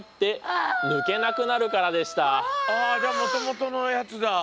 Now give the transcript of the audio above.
じゃあもともとのやつだ。